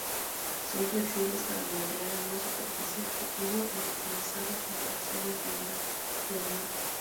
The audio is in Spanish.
Son flexibles para moldear a una superficie objetivo y maximizar las interacciones de unión.